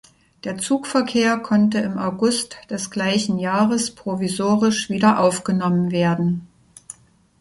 Der Zugverkehr konnte im August des gleichen Jahres provisorisch wiederaufgenommen werden.